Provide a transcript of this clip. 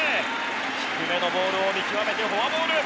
低めのボールを見極めてフォアボール。